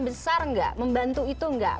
berserah besar nggak membantu itu nggak